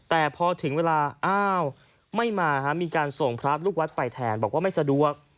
แต่พอถึงเวลาอ้าวไม่มามีการส่งพระลูกวัดไปแทนบอกว่าไม่สะดวก